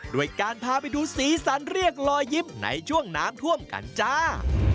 ด้วยการพาไปดูสีสันเรียกรอยยิ้มในช่วงน้ำท่วมกันจ้า